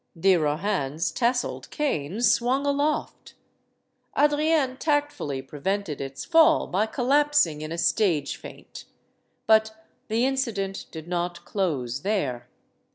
De Rohan's tasseled cane swung aloft. Adrienne tactfully prevented its fall by collapsing in a stage faint. But the incident did not close there.